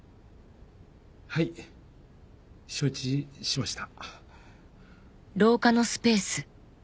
はい承知しました。